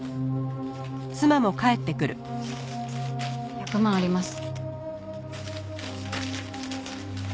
１００万あります。